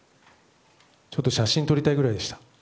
ちょっと写真を撮りたいぐらいでした。